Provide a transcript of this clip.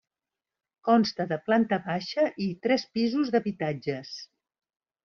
Consta de planta baixa i tres pisos d'habitatges.